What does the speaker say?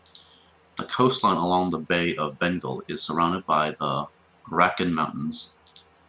The coastline along the Bay of Bengal is surrounded by the Arakan Mountains.